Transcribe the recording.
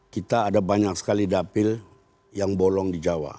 kita ada banyak sekali dapil yang bolong di jawa